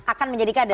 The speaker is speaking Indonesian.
akan menjadi kader